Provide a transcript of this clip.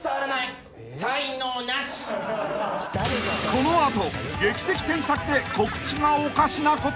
［この後劇的添削で告知がおかしなことに］